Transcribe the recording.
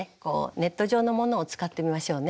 ネット状のものを使ってみましょうね。